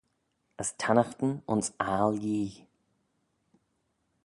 As tannaghtyn ayns aggle Yee.